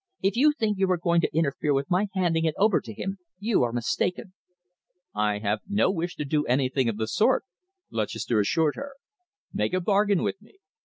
"If you think you are going to interfere with my handing it over to him, you are mistaken." "I have no wish to do anything of the sort," Lutchester assured her. "Make a bargain with me.